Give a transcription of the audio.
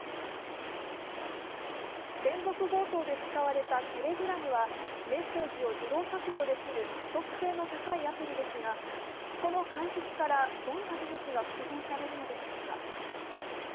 連続強盗で使われたＴｅｌｅｇｒａｍはメッセージを自動削除できる秘匿性の高いアプリですがその解析からどんな事実が復元されるのでしょうか。